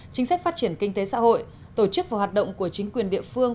chính sách phát triển kinh tế xã hội tổ chức và hoạt động của chính quyền địa phương